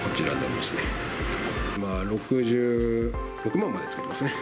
まあ、６６万までつけてますね。